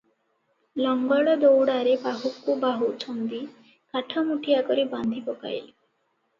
ଲଙ୍ଗଳ ଦଉଡ଼ାରେ ବାହୁକୁ ବାହୁ ଛନ୍ଦି କାଠମୁଠିଆ କରି ବାନ୍ଧି ପକାଇଲେ ।